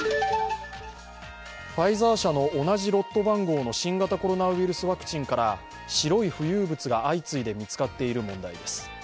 ファイザー社の同じロット番号の新型コロナワクチンから白い浮遊物が相次いで見つかっている問題です。